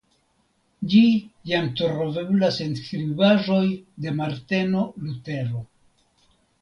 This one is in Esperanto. Ĝi jam troveblas en skribaĵoj de Marteno Lutero.